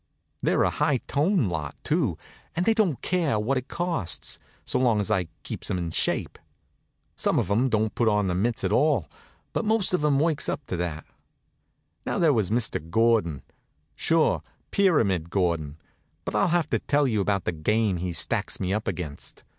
They're a high toned lot, too, and they don't care what it costs, so long as I keeps 'em in shape. Some of 'em don't put on the mitts at all, but most of 'em works up to that. Now there was Mr. Gordon. Sure, Pyramid Gordon. But I'll have to tell you about the game he stacks me up against.